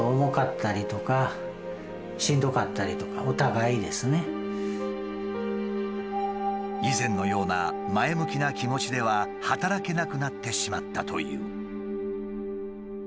言いましたらやっぱり以前のような前向きな気持ちでは働けなくなってしまったという。